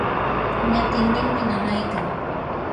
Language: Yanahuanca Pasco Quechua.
ñatinninmi nanaykan.